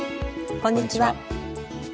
こんにちは。